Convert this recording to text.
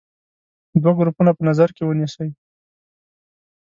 دوه ګروپونه په نظر کې ونیسئ.